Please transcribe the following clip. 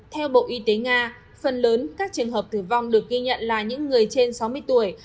theo bộ y tế nga phần lớn các trường hợp tử vong được ghi nhận là những người trên sáu mươi tuổi